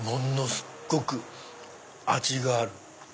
すっごく味がある。